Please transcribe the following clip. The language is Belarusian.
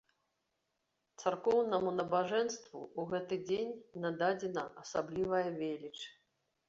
Царкоўнаму набажэнству ў гэты дзень нададзена асаблівая веліч.